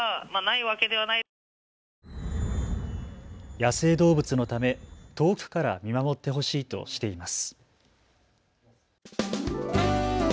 野生動物のため遠くから見守ってほしいとしています。